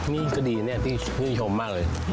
นี่ก็ดีนี่พิมพ์ชอบมากเลย